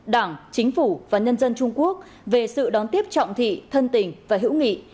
đảng chính phủ và nhân dân trung quốc về sự đón tiếp trọng thị thân tình và hữu nghị